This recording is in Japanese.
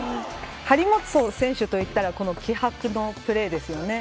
張本選手といったらこの気迫のプレーですよね。